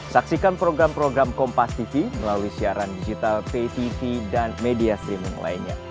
saksikan program program kompastv melalui siaran digital ptv dan media streaming lainnya